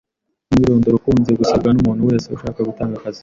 umwirondoro ukunze gusabwa n’umuntu wese ushaka gutanga akazi